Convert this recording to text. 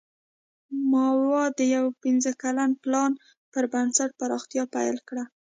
ماوو د یو پنځه کلن پلان پر بنسټ پراختیا پیل کړه.